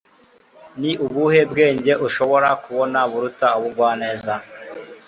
ni ubuhe bwenge ushobora kubona buruta ubugwaneza